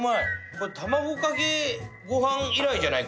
これ卵かけご飯以来じゃない？